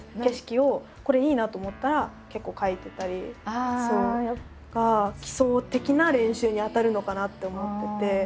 景色をこれいいなと思ったら結構書いてたりとか基礎的な練習にあたるのかなって思ってて。